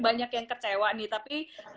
banyak yang kecewa nih tapi